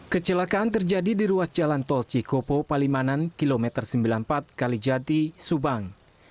kecelakaan terjadi di ruas jalan tol cikopo palimanan kilometer sembilan puluh empat kalijati subang